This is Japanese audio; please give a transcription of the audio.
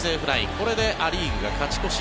これでア・リーグが勝ち越し。